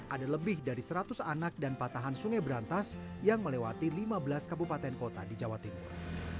ada lebih dari seratus anak dan patahan sungai berantas yang melewati lima belas kabupaten kota di jawa timur